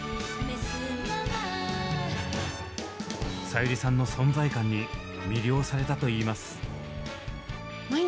さゆりさんの存在感に魅了されたと言います。